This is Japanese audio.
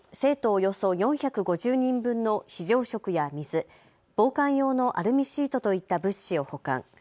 およそ４５０人分の非常食や水、防寒用のアルミシートといった物資を保管。